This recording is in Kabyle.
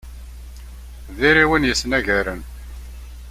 Diri win yesnagaren.